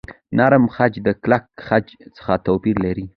نرم خج د کلک خج څخه توپیر لري.